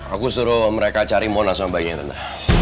aku suruh mereka cari mona sama bayinya tante